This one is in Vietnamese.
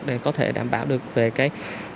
để có thể đảm bảo được về cái